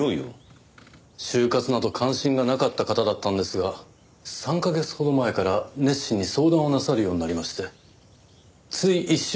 終活など関心がなかった方だったんですが３カ月ほど前から熱心に相談をなさるようになりましてつい１週間前にも書き直しを。